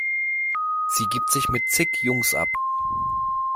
Sie gibt sich mit zig Jungs ab.